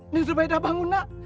neng zubeda bangun nak